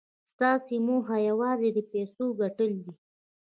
ستاسې موخه یوازې د پیسو ګټل دي